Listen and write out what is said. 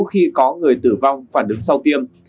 khi có người tử vong phản ứng sau tiêm